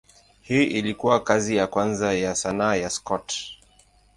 Hii ilikuwa kazi ya kwanza ya sanaa ya Scott.